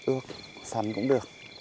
ước sắn cũng được